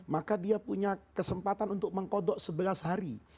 maka dia punya kesempatan untuk mengkodok sebelas hari